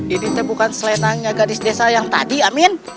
ini bukan selenangnya gadis desa yang tadi amin